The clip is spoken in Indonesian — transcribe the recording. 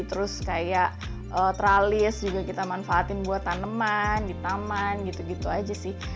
terus kayak tralis juga kita manfaatin buat tanaman di taman gitu gitu aja sih